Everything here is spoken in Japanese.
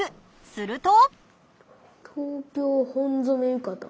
すると？